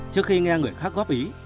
trước khi nghe người khác góp ý